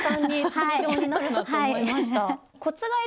はい。